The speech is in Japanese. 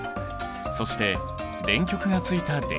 そして電極がついた電球。